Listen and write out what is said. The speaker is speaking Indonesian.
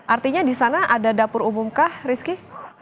artinya di sana ada dapur umum kah rizky